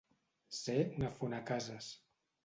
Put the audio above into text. Ser un afonacases.